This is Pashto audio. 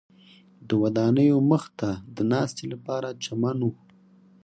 د ودانیو مخ ته د ناستې لپاره چمن و.